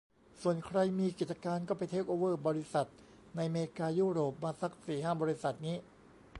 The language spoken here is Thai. ส่วนใครมีกิจการก็ไปเทคโอเวอร์บริษัทในเมกาในยุโรปมาซักสี่ห้าบริษัทงี้